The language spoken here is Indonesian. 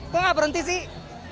kok nggak berhenti sih